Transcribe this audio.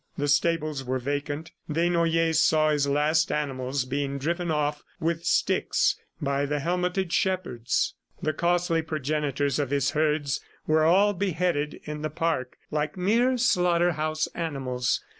The stables were vacant. Desnoyers saw his last animals being driven off with sticks by the helmeted shepherds. The costly progenitors of his herds were all beheaded in the park like mere slaughter house animals.